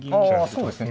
そうですね